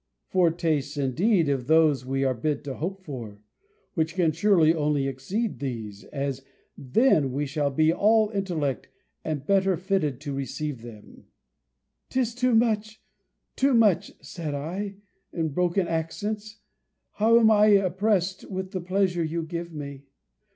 Foretastes, indeed, of those we are bid to hope for: which can surely only exceed these, as then we shall be all intellect, and better fitted to receive them." "'Tis too much! too much," said I, in broken accents: "how am I oppressed with the pleasure you give me!